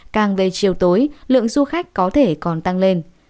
càng về chiều tối lượng du khách có thể còn tăng lên